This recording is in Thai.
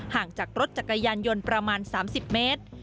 ห่างจากรถจักรยานยนต์ประมาณ๓๐เมตร